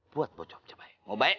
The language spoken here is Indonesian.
buat bocah bocah baik